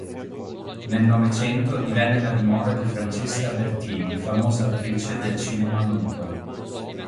Nel Novecento divenne la dimora di Francesca Bertini, famosa attrice del cinema muto.